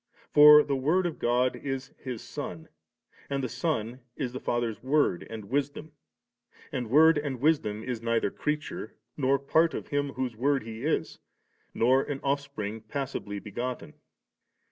For the Word of God is His Son, and the Son is the Father's Word and Wisdom ; and Word and Wisdom is neither creature nor part of Him whose Word He is, nor an ofi^pring passibly begotten.